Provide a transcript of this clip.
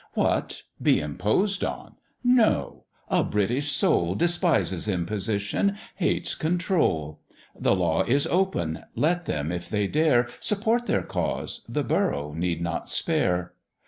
What! be imposed on? No! a British soul Despises imposition, hates control: The law is open; let them, if they dare, Support their cause; the Borough need not spare.